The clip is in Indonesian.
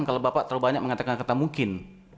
kalau bapak terlalu banyak mengatakan kata mungkin